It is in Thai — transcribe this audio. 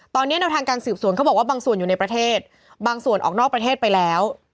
ตอนนี้แนวทางการสืบสวนเขาบอกว่าบางส่วนอยู่ในประเทศบางส่วนออกนอกประเทศไปแล้ว